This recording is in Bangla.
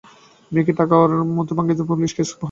মেকি টাকার মতো, ভাঙাইতে গেলে পুলিস-কেস হইবার সম্ভাবনা।